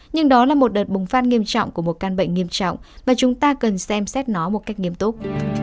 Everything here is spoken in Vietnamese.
nhưng đó là một đợt bùng phát nghiêm trọng của một căn bệnh nghiêm trọng và chúng ta cần xem xét nó một cách nghiêm túc